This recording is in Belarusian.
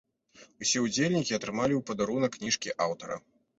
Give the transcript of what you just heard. Усе ўдзельнікі атрымалі ў падарунак кніжкі аўтара.